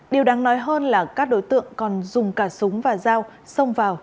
điều đáng nói hơn là các đối tượng còn dùng cả súng và dao xông vào